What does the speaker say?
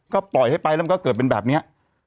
ก็ปล่อยให้ไปแล้วมันก็เกิดเป็นแบบนี้